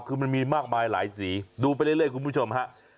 คือมันมีมากมายหลายสีดูไปเรื่อยคุณผู้ชมฮะ